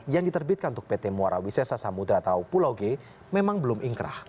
yang diterbitkan untuk pt muara wisesa samudera atau pulau g memang belum ingkrah